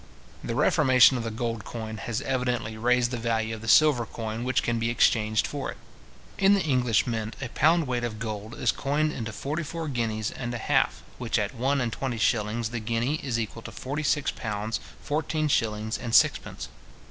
The reformation of the gold coin has evidently raised the value of the silver coin which can be exchanged for it. In the English mint, a pound weight of gold is coined into forty four guineas and a half, which at one and twenty shillings the guinea, is equal to forty six pounds fourteen shillings and sixpence.